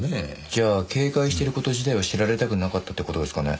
じゃあ警戒している事自体を知られたくなかったって事ですかね？